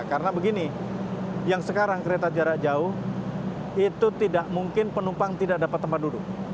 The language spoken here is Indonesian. karena begini yang sekarang kereta jarak jauh itu tidak mungkin penumpang tidak dapat tempat duduk